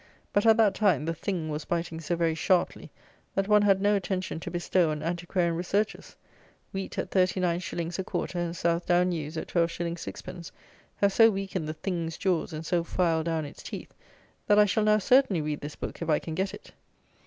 But, at that time, the THING was biting so very sharply that one had no attention to bestow on antiquarian researches. Wheat at 39_s._ a quarter, and Southdown ewes at 12_s._ 6_d._ have so weakened the THING'S jaws and so filed down its teeth, that I shall now certainly read this book if I can get it.